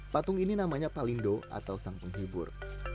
patung ini namanya palindo atau sang penghibur